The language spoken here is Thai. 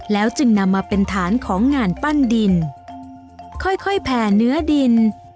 แล้วจึงนำมาเป็นฐานของงานปั้นดินค่อยค่อยแผ่เนื้อดิน